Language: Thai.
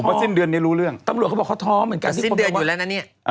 เพราะสิ้นเดือนนี้รู้เรื่องตำรวจเขาบอกเขาท้อเหมือนกันสิ้นเดือนอยู่แล้วนะเนี่ย